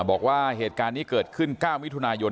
บอกว่าเหตุการณ์นี้เกิดขึ้น๙มิถุนายน